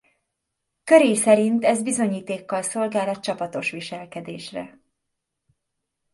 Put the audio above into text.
Currie szerint ez bizonyítékkal szolgál a csapatos viselkedésre.